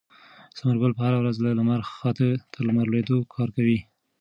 ثمرګل به هره ورځ له لمر خاته تر لمر لوېدو کار کوي.